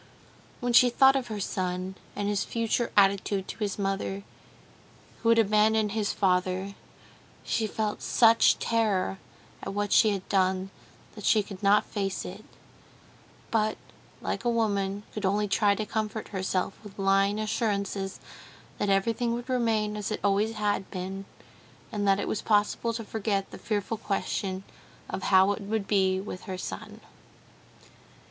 When she thought of her son, and his future attitude to his mother, who had abandoned his father, she felt such terror at what she had done, that she could not face it; but, like a woman, could only try to comfort herself with lying assurances that everything would remain as it always had been, and that it was possible to forget the fearful question of how it would be with her son.